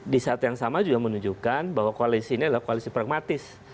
di saat yang sama juga menunjukkan bahwa koalisi ini adalah koalisi pragmatis